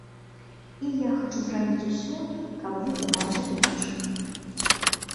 І я хачу зрабіць усё, каб вы ўбачылі іншых.